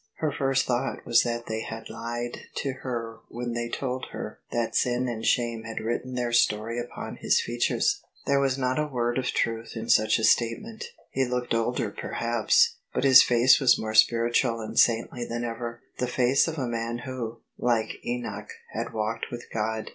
Her first thought was that they had lied to her when they told her that sin and shame had written their story upon his features. There was not a word of truth in such a state ment. He looked older perhaps: but his face was more spiritual and saintly than ever — the face of a man who, like Enoch, had walked with God.